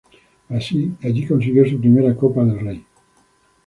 Allí consiguió su primera Copas del Rey.